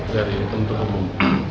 dari untuk membangun